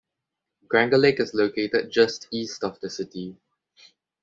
Granger Lake is located just east of the city.